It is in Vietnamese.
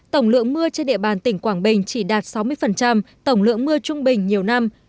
tổng lượng mưa trên địa bàn tỉnh quảng bình chỉ đạt sáu mươi tổng lượng mưa trung bình nhiều năm